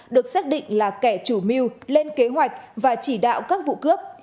được xác định là kẻ chủ mưu lên kế hoạch và chỉ đạo các vụ cướp